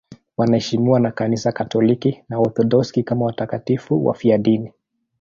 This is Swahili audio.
Wanaheshimiwa na Kanisa Katoliki na Waorthodoksi kama watakatifu wafiadini.